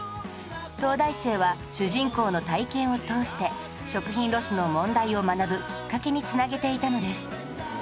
東大生は主人公の体験を通して食品ロスの問題を学ぶきっかけに繋げていたのです